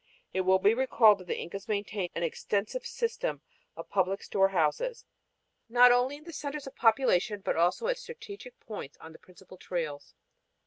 It will be recalled that the Incas maintained an extensive system of public storehouses, not only in the centers of population, but also at strategic points on the principal trails.